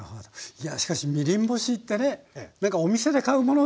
いやしかしみりん干しってね何かお店で買うものっていう頭があるんですけども。